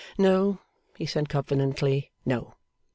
No; he said confidently, no!